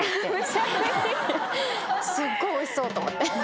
すっごいおいしそうと思って。